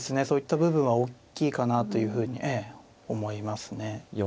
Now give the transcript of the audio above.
そういった部分は大きいかなというふうに思いますね。